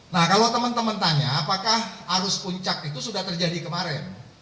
nah kalau teman teman tanya apakah arus puncak itu sudah terjadi kemarin